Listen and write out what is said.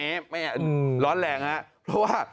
อืมร้อนแหล่งอ่ะเพราะว่า